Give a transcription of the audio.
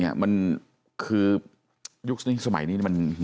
อย่างนี้คือยุคสมัยนี้มัน